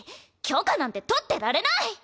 許可なんて取ってられない！